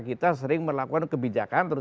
kita sering melakukan kebijakan